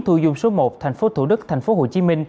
thu dung số một tp thủ đức tp hcm